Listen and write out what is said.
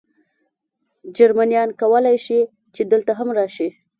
جرمنیان کولای شي، چې دلته هم راشي.